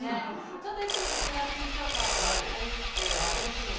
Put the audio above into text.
ちょっといつもと違う緊張感はありつつ楽しんでます。